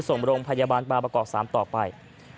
ส่งมาโรงพยาบาลบาปกรก๓ต่อไป